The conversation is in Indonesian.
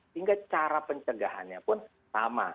sehingga cara pencegahannya pun sama